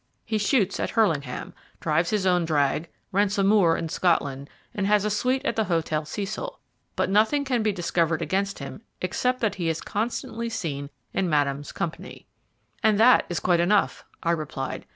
He shoots at Hurlingham, drives his own drag, rents a moor in Scotland, and has a suite at the Hotel Cecil; but nothing can be discovered against him except that he is constantly seen in Madame's company." "And that is quite enough," I replied.